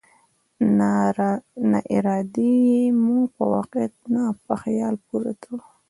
ناارادي يې موږ په واقعيت نه، په خيال پورې تړو.